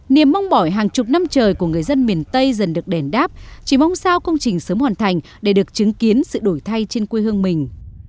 niềm mong bỏi hàng chục năm trời của người dân miền tây dần được đèn đáp chỉ mong sao công trình sớm hoàn thành để được chứng kiến sự đổi thay trên quê hương mình